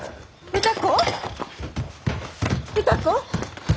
歌子。